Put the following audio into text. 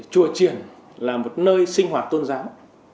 chùa triền là một nơi sinh hoạt tôn giáo